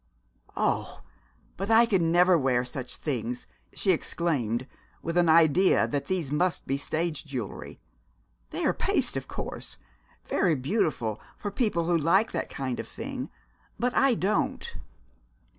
'Oh, but I could never wear such things,' she exclaimed, with an idea that these must be stage jewellery. 'They are paste, of course very beautiful for people who like that kind of thing but I don't.'